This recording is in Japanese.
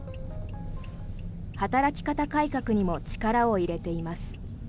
働き方改革にも力を入れています。